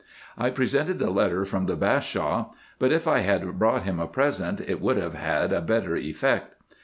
I presented the letter from the Bashaw ; hut, if I had brought him a present, it would have had a hetter effect.